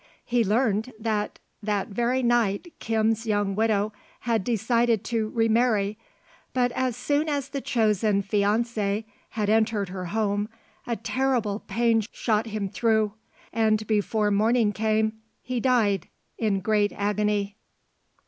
He learned that that very night Kim's young widow had decided to remarry, but as soon as the chosen fiancé had entered her home, a terrible pain shot him through, and before morning came he died in great agony.